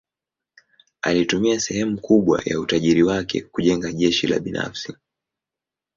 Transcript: Alitumia sehemu kubwa ya utajiri wake kujenga jeshi la binafsi.